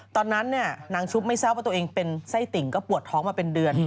ตอนนั้นนางชุบไม่ทราบว่าตัวเองเป็นไส้ติ่งก็ปวดท้องมาเป็นเดือน